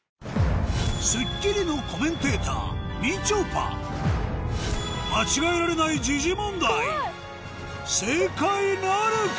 『スッキリ』のコメンテーターみちょぱ間違えられない時事問題正解なるか？